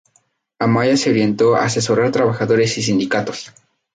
Amaya se orientó a asesorar trabajadores y sindicatos.